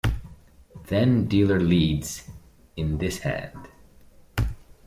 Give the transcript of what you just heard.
Then dealer leads in this hand.